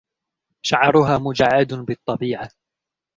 شعرها مجعد بالطبيعه.